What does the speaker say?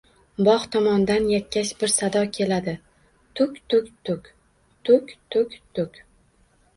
Bog’ tomondan yakkash bir sado keladi: “tuk-tuktuk, tuk-tuk-tuk”.